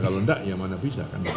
kalau enggak ya mana bisa